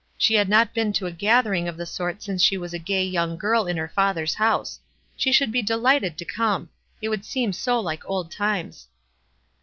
She had not been to a gathering of the sort since she was a gay young girl in her father's house. She should be delighted to come ; it would seem so like old times.